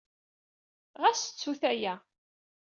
Ɣas ttut aya.